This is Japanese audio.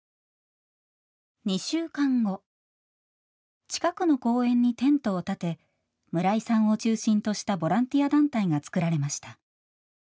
２週間後近くの公園にテントを立て村井さんを中心としたボランティア団体が作られました。